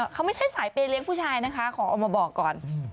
เขาไม่ใช่สายเปย์เลี้ยงผู้ชายนะคะขอเอามาบอกก่อน